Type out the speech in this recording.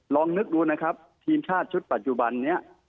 ลองนึกดูนะครับทีมชาติชุดปัจจุบันนี้